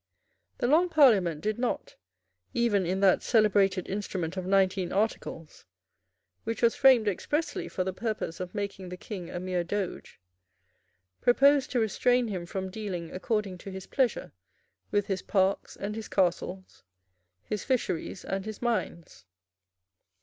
The Long Parliament did not, even in that celebrated instrument of nineteen articles, which was framed expressly for the purpose of making the King a mere Doge, propose to restrain him from dealing according to his pleasure with his parks and his castles, his fisheries and his mines.